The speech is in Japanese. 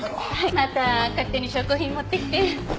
また勝手に証拠品持ってきて。